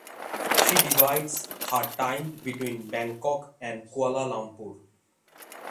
She divides her time between Bangkok and Kuala Lumpur.